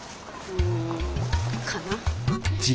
うんかな？